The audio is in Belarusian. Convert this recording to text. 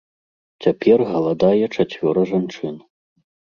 Цяпер галадае чацвёра жанчын.